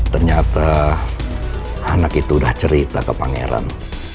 ternyata anak itu udah cerita ke pangeran